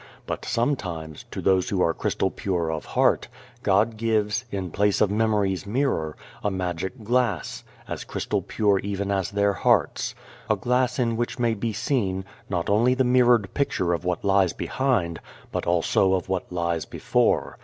But sometimes, to those who are crystal pure of heart, God gives, in place of memory's mirror, a magic glass, as crystal pure even as their hearts a glass in which may be seen, not only the mirrored picture of what lies 242 Without a Child behind, but also of what lies before.